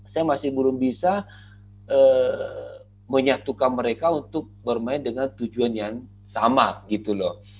saya masih belum bisa menyatukan mereka untuk bermain dengan tujuan yang sama gitu loh